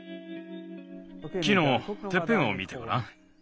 木のてっぺんを見てごらん。